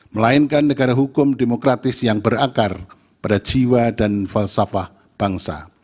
melainkan negara hukum demokratis yang berakar pada jiwa dan falsafah bangsa